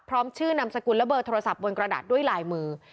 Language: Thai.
ชื่อนามสกุลและเบอร์โทรศัพท์บนกระดาษด้วยลายมือ